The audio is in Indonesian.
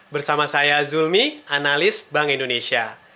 bersama saya zulmi analis bank indonesia